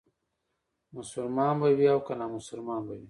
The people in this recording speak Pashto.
مسلمان به وي او که نامسلمان به وي.